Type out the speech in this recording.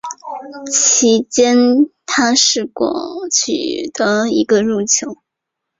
其间他试过取得一个入球。